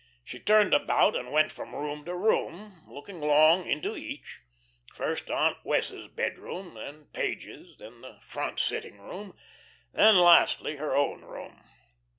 She turned about, and went from room to room, looking long into each; first Aunt Wess's bedroom, then Page's, then the "front sitting room," then, lastly, her own room.